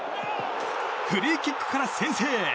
フリーキックから先制！